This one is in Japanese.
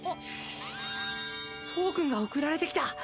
トークンが送られてきた。